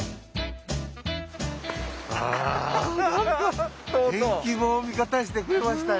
ああ何か天気も味方してくれましたね。